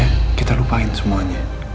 ya kita lupain semuanya